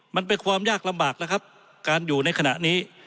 มันเป็นความยากลำบากแล้วครับการอยู่ในขณะนี้